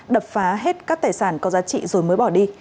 đập phá hết các tài sản có giá trị rồi mới bỏ đi